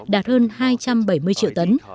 đạt hơn hai trăm bảy mươi triệu tấn